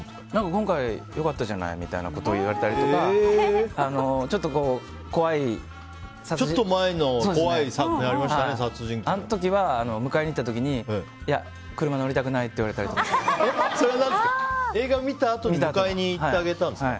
今回よかったじゃないみたいなことを、言われたりとかちょっと前の怖い作品あの時は迎えに行った時に車乗りたくないってそれは、映画を見たあとに迎えに行ってあげたんですか。